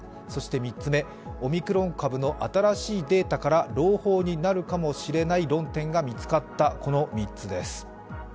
そして３つ目、オミクロン株の新しいデータから朗報になるかもしれない論点が見つかった、この３つです。